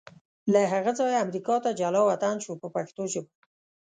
له هغه ځایه امریکا ته جلا وطن شو په پښتو ژبه.